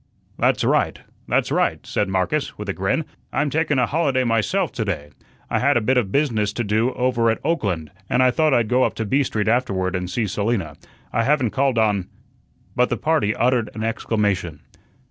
"That's right, that's right," said Marcus, with a grin. "I'm takun a holiday myself to day. I had a bit of business to do over at Oakland, an' I thought I'd go up to B Street afterward and see Selina. I haven't called on " But the party uttered an exclamation.